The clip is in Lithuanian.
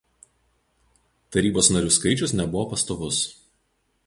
Tarybos narių skaičius nebuvo pastovus.